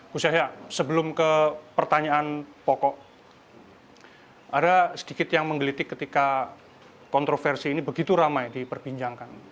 gus yahya sebelum ke pertanyaan pokok ada sedikit yang menggelitik ketika kontroversi ini begitu ramai diperbincangkan